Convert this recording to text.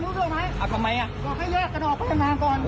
เร็อกันเลือกไหมอ่ะทำไมอ่ะตอบให้แรกกระดอกไปเรื่องก่อน